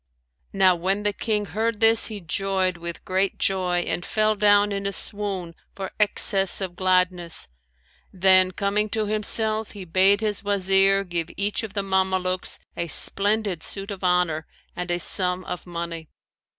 Now when the King heard this, he joyed with great joy and fell down in a swoon for excess of gladness; then, coming to himself, he bade his Wazir give each of the Mamelukes a splendid suit of honour and a sum of money.